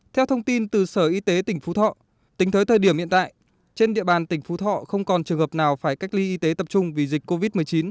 theo thông tin từ sở y tế tỉnh phú thọ tính tới thời điểm hiện tại trên địa bàn tỉnh phú thọ không còn trường hợp nào phải cách ly y tế tập trung vì dịch covid một mươi chín